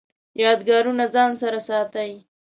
یادګارونه ځان سره ساتئ؟